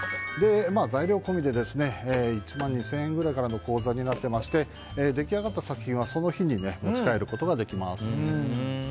材料込みで１万２０００円からの講座になっていまして出来上がった作品はその日に持ち帰ることができます。